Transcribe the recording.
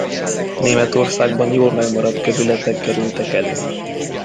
Németországban jól megmaradt kövületek kerültek elő.